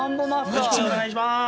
よろしくお願いします。